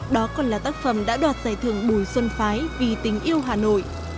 đó còn là tác phẩm đã đoạt giải thưởng bùi xuân phái vì tình yêu hà nội